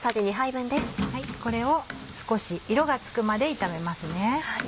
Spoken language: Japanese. これを少し色がつくまで炒めますね。